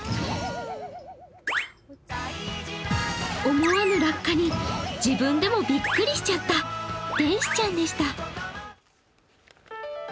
思わぬ落下に自分でもびっくりしちゃった天使ちゃんでした。